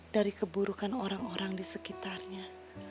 dari keburukan orang orang di sekitarnya